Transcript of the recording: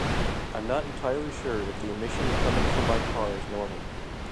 I'm not entirely sure if the emission coming from my car is normal.